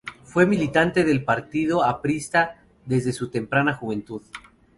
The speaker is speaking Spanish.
Fue militante del partido aprista desde su temprana juventud.